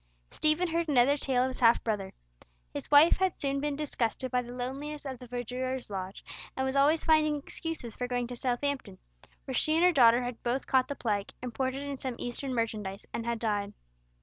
Stephen heard another tale of his half brother. His wife had soon been disgusted by the loneliness of the verdurer's lodge, and was always finding excuses for going to Southampton, where she and her daughter had both caught the plague, imported in some Eastern merchandise, and had died.